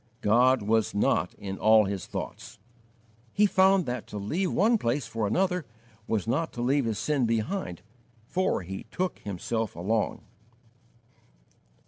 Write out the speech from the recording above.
"God was not in all his thoughts." He found that to leave one place for another was not to leave his sin behind, for he took himself along.